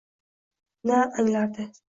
Na anglardi.